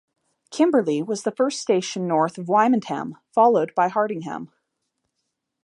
Kimberley was the first station north of Wymondham followed by Hardingham.